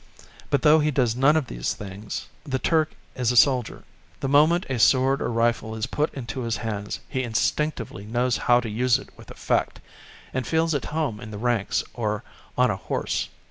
But though he does none of these things ... the Turk is a soldier. The moment a sword or rifle is put into his hands, he instinctively knows how to use it with effect, and feels at home in the ranks or on a horse.